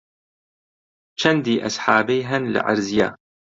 چەندی ئەسحابەی هەن لە عەرزییە